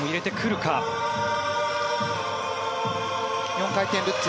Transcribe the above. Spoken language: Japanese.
４回転ルッツ。